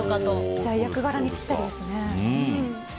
じゃあ役柄にぴったりですね。